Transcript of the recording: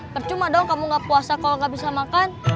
percuma dong kamu gak puasa kalau gak bisa makan